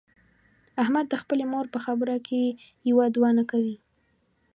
احمد د خپلې مور په خبره کې یو دوه نه کوي.